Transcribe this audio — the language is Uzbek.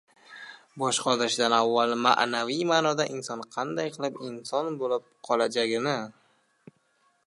bosh qotirishdan avval ma’naviy ma’noda inson qanday qilib inson bo‘lib qolajagini